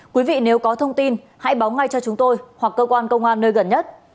quý vị nếu có thông tin hãy báo ngay cho chúng tôi hoặc cơ quan công an nơi gần nhất